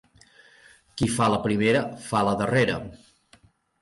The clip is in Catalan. Qui fa la primera fa la darrera.